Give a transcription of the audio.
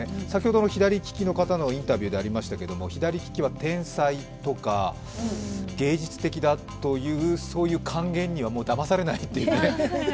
先ほどの左利きの方のインタビューでありましたけれども、左利きは天才とか芸術的だという甘言にはだまされないというね。